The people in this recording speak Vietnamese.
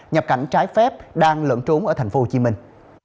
nhập cảnh trái phép đang lẫn trốn ở thành phố hồ chí minh